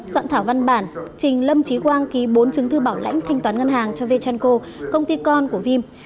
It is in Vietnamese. soạn thảo văn bản trình lâm trí quang ký bốn chứng thư bảo lãnh thanh toán ngân hàng cho vechanco công ty con của vim